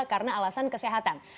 karena alasan kesehatan